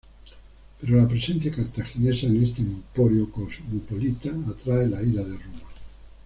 Pero la presencia cartaginesa en este emporio cosmopolita atrae la ira de Roma.